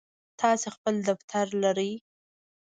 تاسی خپل دفتر لرئ؟